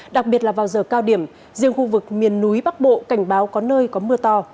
đặc biệt là vào giờ cao điểm riêng khu vực miền núi bắc bộ cảnh báo có nơi có mưa to